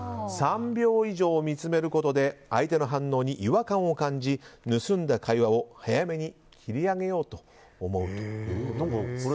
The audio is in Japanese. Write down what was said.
３秒以上見つめることで相手の反応に違和感を感じ盗んだ会話を早めに切り上げようと思うということです。